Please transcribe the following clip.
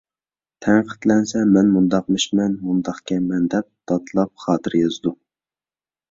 تەنقىدلەنسە مەن مۇنداقمىشمەن، مۇنداقكەنمەن دەپ دادلاپ خاتىرە يازىدۇ.